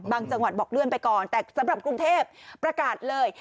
จังหวัดบอกเลื่อนไปก่อนแต่สำหรับกรุงเทพประกาศเลย